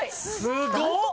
・すごっ！